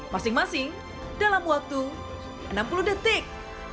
masing masing dalam waktu enam puluh detik